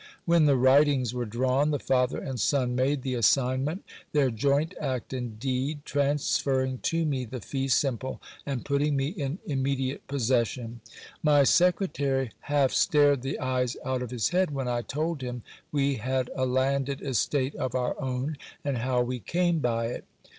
When the writings were drawn, the father and son made the assignment their joint act and deed, transferring to me the fee simple, and putting me in immediate possession. My secretary half stared the eyes out of his head, when I told him we had a landed estate of our own, and how we came by it.